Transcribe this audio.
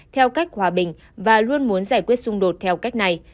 theo cách hòa bình và luôn muốn giải quyết xung đột theo cách này